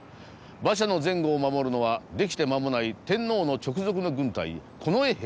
馬車の前後を守るのはできて間もない天皇の直属の軍隊近衛兵たちです。